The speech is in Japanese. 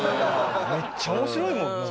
めっちゃ面白いもん。